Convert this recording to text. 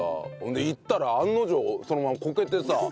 で行ったら案の定そのままこけてさ。